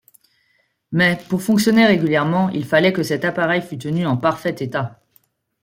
Mais, pour fonctionner régulièrement, il fallait que cet appareil fût tenu en parfait état.